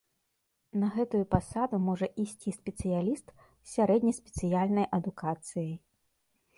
На гэтую пасаду можа ісці спецыяліст з сярэднеспецыяльнай адукацыяй.